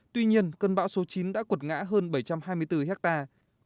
tuy nhiên cơn bão số chín đã quật ngã hơn bảy trăm hai mươi bốn hectare